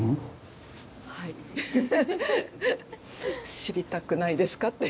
知りたくないですかって。